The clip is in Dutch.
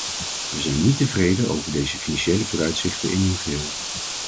Wij zijn niet tevreden over deze financiële vooruitzichten in hun geheel.